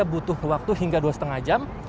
butuh waktu hingga dua lima jam